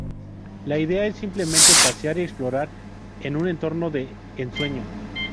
La idea es simplemente pasear y explorar en un entorno de ensueño.